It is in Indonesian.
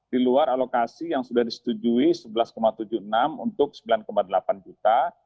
di luar alokasi yang sudah disetujui sebelas tujuh puluh enam untuk sembilan delapan juta